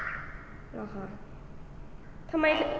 คุณพ่อได้จดหมายมาที่บ้าน